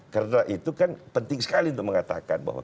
karena itu kan penting sekali untuk mengatakan bahwa